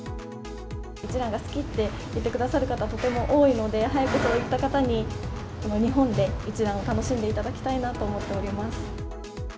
一蘭が好きって言ってくださる方、とても多いので、早くそういった方に、日本で一蘭を楽しんでいただきたいなと思っています。